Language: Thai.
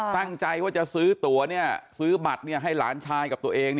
ตั้งใจว่าจะซื้อตัวซื้อบัตรให้หลานชายกับตัวเอง